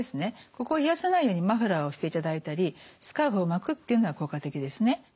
ここを冷やさないようにマフラーをしていただいたりスカーフを巻くっていうのは効果的ですね。